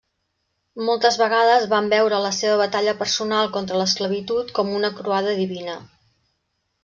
Moltes vegades van veure a la seva batalla personal contra l'esclavitud com una croada divina.